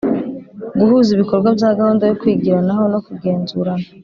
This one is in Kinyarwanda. Guhuza ibikorwa bya gahunda yo kwigiranaho no kugenzurana